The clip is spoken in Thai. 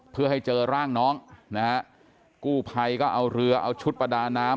เพื่อให้เจอร่างน้องนะฮะกู้ภัยก็เอาเรือเอาชุดประดาน้ำ